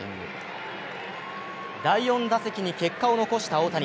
第４打席に結果を残した大谷。